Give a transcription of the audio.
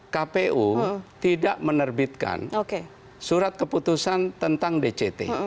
kpu tidak menerbitkan surat keputusan tentang dct